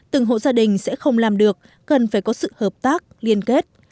từng hộ gia đình sẽ không làm được cần phải có sự hợp tác liên kết